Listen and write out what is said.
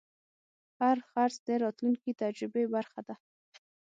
هر خرڅ د راتلونکي تجربې برخه ده.